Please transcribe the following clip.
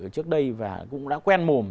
trước đây và cũng đã quen mồm